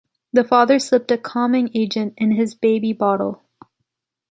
The father slipped a calming agent in his baby bottle.